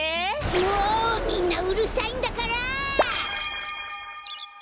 もうみんなうるさいんだから！